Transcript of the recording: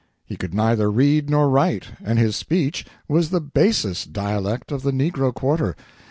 He could neither read nor write, and his speech was the basest dialect of the negro quarter.